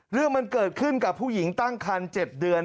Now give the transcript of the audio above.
เรื่องมันเกิดขึ้นกับผู้หญิงตั้งคัน๗เดือน